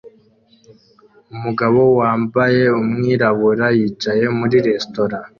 Umugabo wambaye umwirabura yicaye muri resitora